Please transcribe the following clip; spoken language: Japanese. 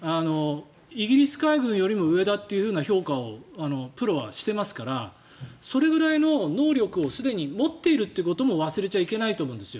イギリス海軍よりも上だという評価をプロはしていますからそれぐらいの能力をすでに持っているということも忘れちゃいけないと思うんです。